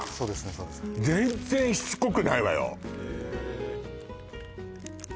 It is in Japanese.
そうですね全然しつこくないわよ